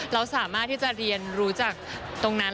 เราสามารถที่จะเรียนรู้จากตรงนั้น